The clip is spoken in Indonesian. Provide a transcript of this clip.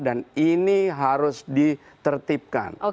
dan ini harus ditertibkan